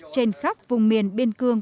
trên khắp vùng miền biên cương